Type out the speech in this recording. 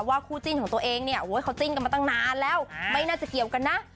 คู่จิ้นของตัวเองเนี่ยโอ้ยเขาจิ้นกันมาตั้งนานแล้วไม่น่าจะเกี่ยวกันนะ